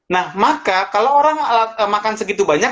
nah maka kalau orang makan segitu banyak